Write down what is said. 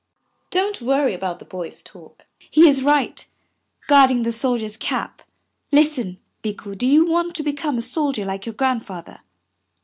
''Don't worry about the boy's talk, he is right, guarding the soldier's cap. Listen, Bikku, do you want to become a soldier like your Grandfather?"